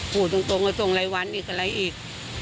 ผู้ตรงก็ตรงไลวันอีกอีก